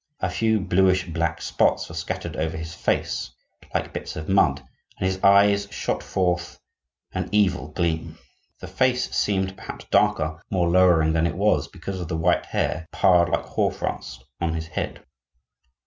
A few bluish black spots were scattered over his face, like bits of mud, and his eyes shot forth an evil gleam. The face seemed, perhaps, darker, more lowering than it was, because of the white hair piled like hoarfrost on his head.